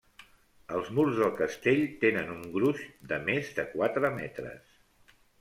Els murs del castell tenen un gruix de més de quatre metres.